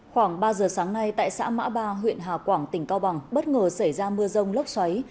khoảng ba giờ sáng nay tại xã mã ba huyện hà quảng tỉnh cao bằng bất ngờ xảy ra mưa rông lốc xoáy